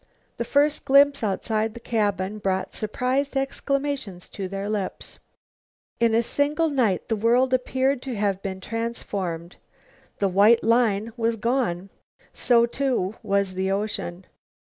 The first glimpse outside the cabin brought surprised exclamations to their lips. In a single night the world appeared to have been transformed. The "white line" was gone. So, too, was the ocean.